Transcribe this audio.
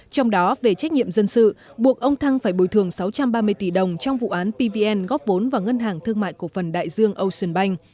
trong đó về trách nhiệm dân sự buộc ông thăng phải bồi thường sáu trăm ba mươi tỷ đồng trong vụ án pvn góp vốn vào ngân hàng thương mại cổ phần đại dương ocean bank